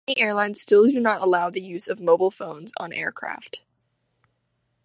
Many airlines still do not allow the use of mobile phones on aircraft.